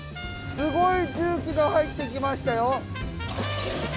すごい重機が入ってきましたよ。